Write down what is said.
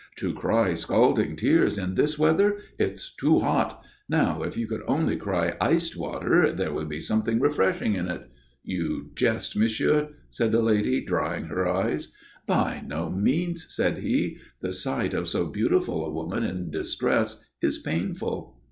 "To cry scalding tears in this weather! It's too hot! Now, if you could only cry iced water there would be something refreshing in it." "You jest, monsieur," said the lady, drying her eyes. "By no means," said he. "The sight of so beautiful a woman in distress is painful."